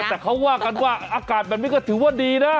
แต่เขาว่ากันว่าอากาศแบบนี้ก็ถือว่าดีนะ